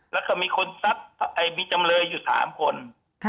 แล้วก็มีคนซัดเอ่ยมีจำเลยอยู่สามคนค่ะ